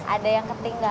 ada yang ketinggalan